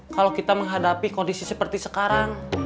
kalau kita menghadapi kondisi seperti sekarang